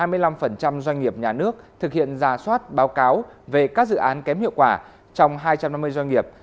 cụ mới chỉ có ba mươi một hai mươi năm doanh nghiệp nhà nước thực hiện ra soát báo cáo về các dự án kém hiệu quả trong hai trăm năm mươi doanh nghiệp